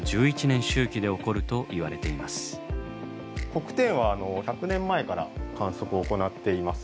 黒点は１００年前から観測を行っています。